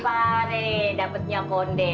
pare pare dapetnya konde